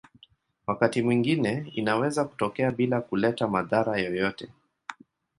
Wakati mwingine inaweza kutokea bila kuleta madhara yoyote.